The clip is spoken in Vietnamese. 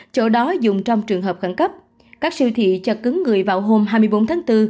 chỗ đó dùng trong trường hợp khẳng cấp các siêu thị cho cứng người vào hôm hai mươi bốn tháng bốn